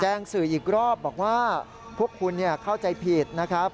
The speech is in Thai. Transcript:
สื่ออีกรอบบอกว่าพวกคุณเข้าใจผิดนะครับ